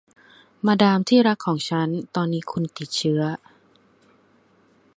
มาดามที่รักของฉัน ตอนนี้คุณติดเชื้อ